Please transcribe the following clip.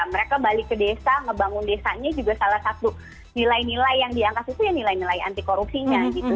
mereka balik ke desa ngebangun desanya juga salah satu nilai nilai yang diangkas itu ya nilai nilai anti korupsinya gitu